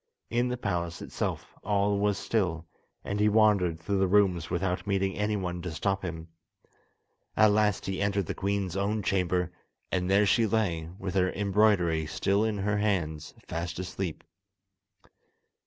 In the palace itself all was still, and he wandered through the rooms without meeting anyone to stop him. At last he entered the queen's own chamber, and there she lay, with her embroidery still in her hands, fast asleep.